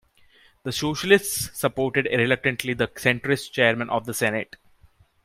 The Socialists supported reluctantly the centrist Chairman of the Senate.